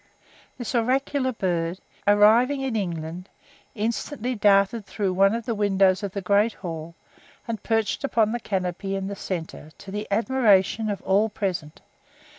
This oracular bird, arriving in England, instantly darted through one of the windows of the great hall, and perched upon the canopy in the centre to the admiration of all present.